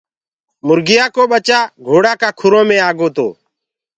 مرگيآ ڪو ٻچآ گھوڙآ ڪآ کُرو مي آگو تو۔